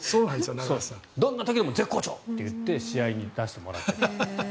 どんな時でも絶好調！って言って試合に出してもらう。